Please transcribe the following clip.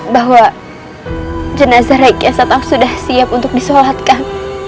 bahwa jenazah rekia satang sudah siap untuk disolatkan